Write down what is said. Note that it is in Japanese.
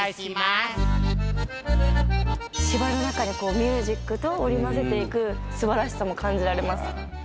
芝居の中でミュージックと織り交ぜていく素晴らしさも感じられます。